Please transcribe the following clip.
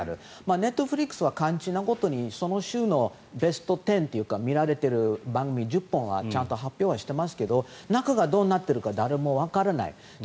ネットフリックスは肝心なことにその週のベスト１０というか見られている１０本はちゃんと発表していますが中がどうなっているかは誰もわからない。